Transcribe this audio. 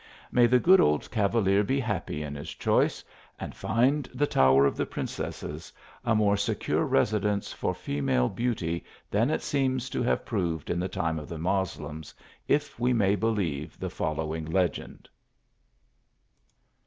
May the good old cavalier be happy in his choice, and find the tower of the Prin cesses a more secure residence for female beauty than it seems to have proved in the time of the Moslems, if we may believe the following legend.